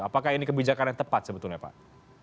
apakah ini kebijakan yang tepat sebetulnya pak